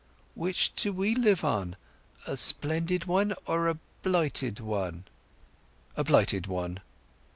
"Which do we live on—a splendid one or a blighted one?" "A blighted one."